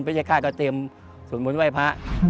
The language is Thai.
พระเจ้าค่าก็เตรียมส่วนบุญไว้พระ